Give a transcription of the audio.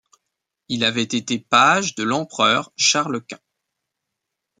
Il avait été page de l'empereur Charles Quint.